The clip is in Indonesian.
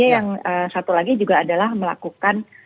yang satu lagi juga adalah melakukan